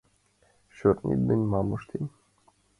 Шӧртнет ден мом ыштем?